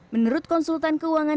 menurut konsultan keuangan